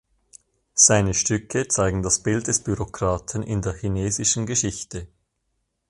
Seine Stücke zeigen das Bild des Bürokraten in der chinesischen Geschichte.